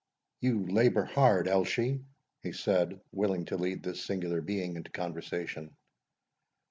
"You labour hard, Elshie," he said, willing to lead this singular being into conversation.